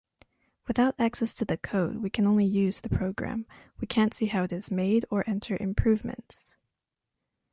Without access to the code we can only use the program, we can’t see how it is made or enter improvements.